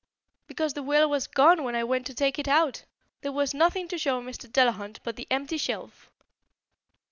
"Because the will was gone when I went to take it out. There was nothing to show Mr. Delahunt but the empty shelf."